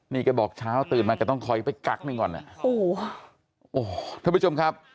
นี่แกบอกเช้าตื่นมาแกต้องคอยไปกักหนึ่งก่อนอ่ะโอ้โหท่านผู้ชมครับ